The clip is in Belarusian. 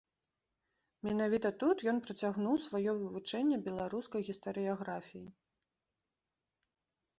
Менавіта тут ён працягнуў сваё вывучэнне беларускай гістарыяграфіі.